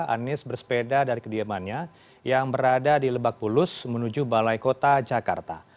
anies bersepeda dari kediamannya yang berada di lebak bulus menuju balai kota jakarta